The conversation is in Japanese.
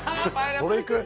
それいく？